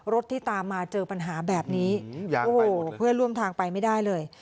ที่ตามมาเจอปัญหาแบบนี้โอ้โหเพื่อนร่วมทางไปไม่ได้เลย